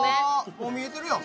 もう見えてるやん